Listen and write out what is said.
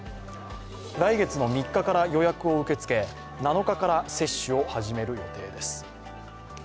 来月の３日から予約を受け付け７日から接種を始める予定です。